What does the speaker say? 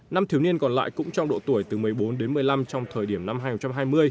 năm thiếu niên còn lại cũng trong độ tuổi từ một mươi bốn đến một mươi năm trong thời điểm năm hai nghìn hai mươi